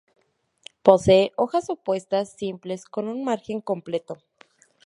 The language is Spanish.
Posee hojas opuestas, simples, con un margen completo.